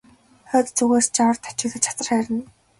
Хойд зүгээс жавар тачигнаж хацар хайрна.